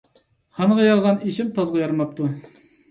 خانغا يارىغان ئېشىم تازغا يارىماپتۇ.